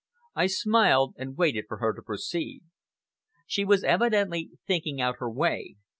I smiled and waited for her to proceed. She was evidently thinking out her way.